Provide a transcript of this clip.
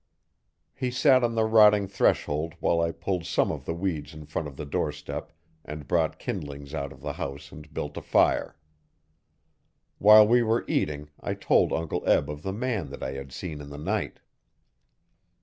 He sat on the rotting threshold while I pulled some of the weeds in front of the doorstep and brought kindlings out of the house and built a fire. While we were eating I told Uncle Eb of the man that I had seen in the night.